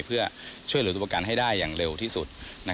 เพื่อช่วยเหลือตัวประกันให้ได้อย่างเร็วที่สุด